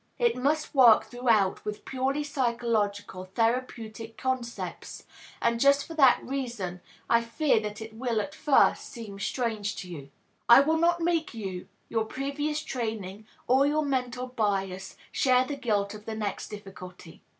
It must work throughout with purely psychological therapeutic concepts, and just for that reason I fear that it will at first seem strange to you. I will not make you, your previous training, or your mental bias share the guilt of the next difficulty.